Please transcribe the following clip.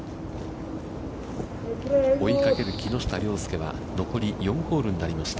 追いかける木下稜介は、残り４ホールになりました。